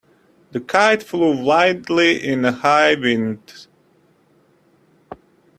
The kite flew wildly in the high wind.